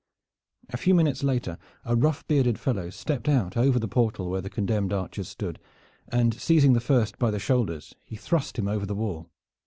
A few minutes later a rough bearded fellow stepped out over the portal where the condemned archers stood and seizing the first by the shoulders he thrust him over the wall.